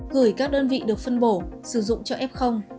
gửi các đơn vị được phân bổ sử dụng cho f